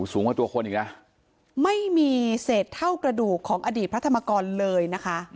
สูงกว่าตัวคนอีกนะไม่มีเศษเท่ากระดูกของอดีตพระธรรมกรเลยนะคะ